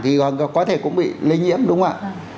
thì có thể cũng bị lây nhiễm đúng không ạ